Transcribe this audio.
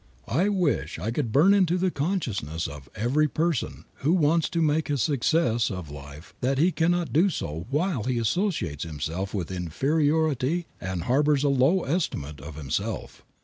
I wish I could burn it into the consciousness of every person who wants to make a success of life that he cannot do so while he associates himself with inferiority and harbors a low estimate of himself.